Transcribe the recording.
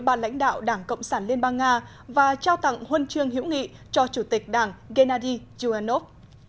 ba lãnh đạo đảng cộng sản liên bang nga và trao tặng huân chương hữu nghị cho chủ tịch đảng gennady zyuanov